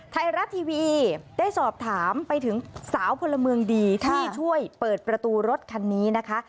ไทยรัฐทีวีได้สอบถามไปถึงสาวพลเมืองดีที่ช่วยเปิดประตูรถคันนี้นะคะ